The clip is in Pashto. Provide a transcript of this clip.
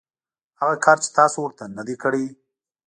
هغه کار چې تاسو ورته نه دی کړی .